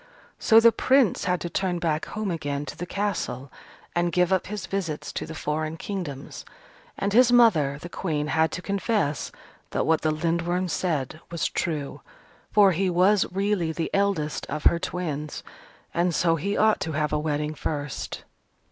So the Prince had to turn back home again to the Castle, and give up his visits to the foreign kingdoms. And his mother, the Queen, had to confess that what the Lindworm said was true. For he was really the eldest of her twins: and so he ought to have a wedding first.